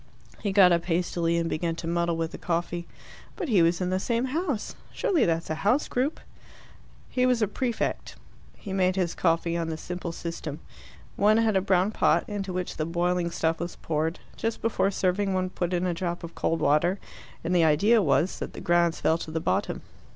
He got up hastily, and began to muddle with the coffee. "But he was in the same house. Surely that's a house group?" "He was a prefect." He made his coffee on the simple system. One had a brown pot, into which the boiling stuff was poured. Just before serving one put in a drop of cold water, and the idea was that the grounds fell to the bottom.